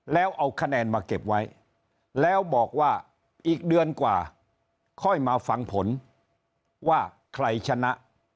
แล้วเอาคะแนนมาเก็บไว้แล้วบอกว่าอีกเดือนกว่าค่อยมาฟังผลว่าใครชนะ